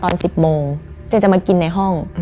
ตอน๑๐โมงเจ๊จะมากินในห้อง